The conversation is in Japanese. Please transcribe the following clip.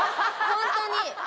ホントに。